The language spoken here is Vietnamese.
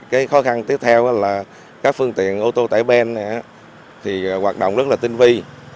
cái khó khăn tiếp theo là các phương tiện ô tô tải ben thì hoạt động rất là tinh vi